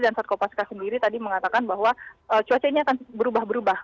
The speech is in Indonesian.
dan satkopaska sendiri tadi mengatakan bahwa cuacanya akan berubah berubah